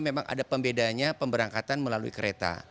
memang ada pembedanya pemberangkatan melalui kereta